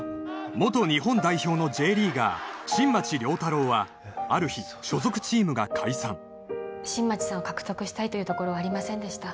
元日本代表のＪリーガー新町亮太郎はある日所属チームが解散新町さんを獲得したいというところはありませんでした